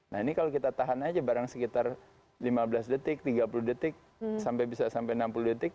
nah ini kalau kita tahan aja barang sekitar lima belas detik tiga puluh detik sampai bisa sampai enam puluh detik